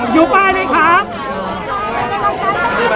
ขอบคุณมากขอบคุณค่ะ